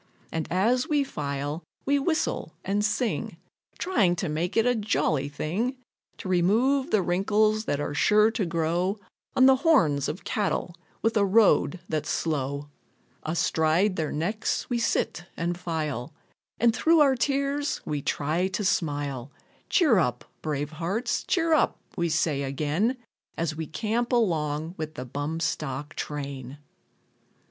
And as we file, we whistle and sing, Trying to make it a jolly thing, To remove the wrinkles that are sure to grow On the horns of cattle with a road that's slow. Astride their necks, we sit and file, And through our tears, we try to smile. Cheer up, brave hearts, cheer up, we say again, As we camp along with the bum stock train.